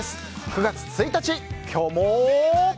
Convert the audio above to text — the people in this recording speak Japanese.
９月１日、今日も。